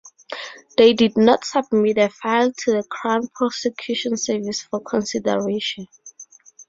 They did not submit a file to the Crown Prosecution Service for consideration.